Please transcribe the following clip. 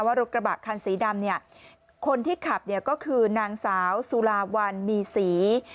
รถกระบะคันสีดำเนี่ยคนที่ขับเนี่ยก็คือนางสาวสุลาวันมีศรี